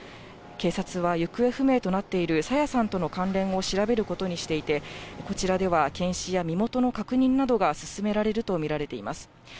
警察は行方不明となっている朝芽さんとの関連を調べることにしていて、こちらでは検視や身元の確認などが進められると見られています。